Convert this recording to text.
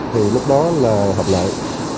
thì lúc đó là hợp lại